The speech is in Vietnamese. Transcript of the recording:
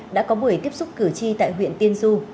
đã có buổi tiếp xúc cử tri tại huyện tiên du